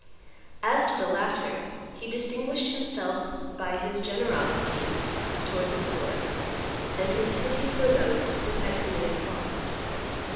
As to the latter, he distinguished himself by his generosity towards the poor, and his pity for those who had committed faults.